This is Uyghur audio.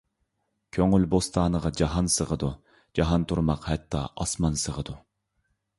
كۆڭۈل بوستانىغا جاھان سىغىدۇ، جاھان تۇرماق ھەتتا ئاسمان سىغىدۇ.